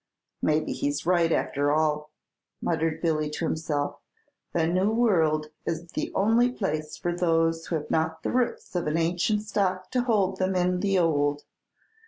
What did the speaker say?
"Maybe he's right after all," muttered Billy to himself. "The New World is the only place for those who have not the roots of an ancient stock to hold them in the Old.